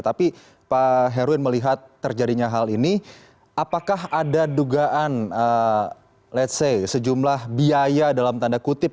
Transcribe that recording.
tapi pak herwin melihat terjadinya hal ini apakah ada dugaan ⁇ lets ⁇ say sejumlah biaya dalam tanda kutip